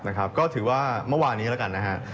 นะครับก็ถือว่าเมื่อวานนี้แล้วกันนะฮะ